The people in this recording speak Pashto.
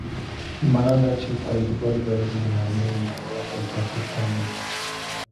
مانا دا چې فریدګل باید له نرمۍ ناوړه ګټه پورته نکړي